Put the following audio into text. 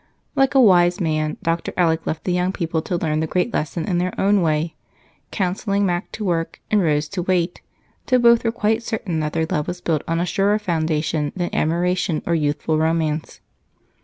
Like a wise man, Dr. Alec left the young people to learn the great lesson in their own way, counseling Mac to work and Rose to wait till both were quite certain that their love was built on a surer foundation than admiration or youthful romance.